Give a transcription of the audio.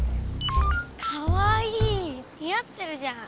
かわいい。に合ってるじゃん。